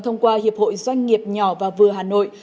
thông qua hiệp hội doanh nghiệp nhỏ và vừa hà nội